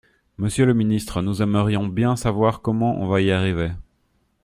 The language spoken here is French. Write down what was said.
Monsieur le ministre, nous aimerions bien savoir comment on va y arriver.